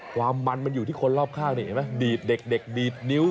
ความมันมันอยู่ที่คนรอบข้างดีดเด็กดีดนิ้ว